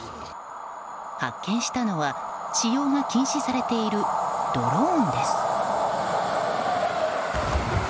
発見したのは使用が禁止されているドローンです。